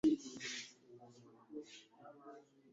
ba baporisi ntibazuyaza, aho tuvugiye aha baramutwara,